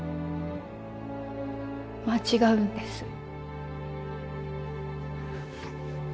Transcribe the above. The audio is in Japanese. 間違うんです。